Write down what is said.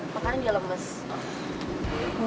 makanya dia lemes